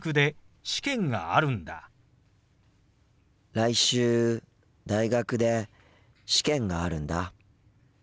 来週大学で試験があるんだ。